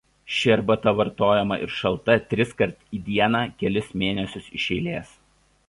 Ši arbata vartojama ir šalta triskart į dieną kelis mėnesius iš eilės.